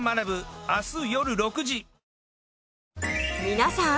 皆さん！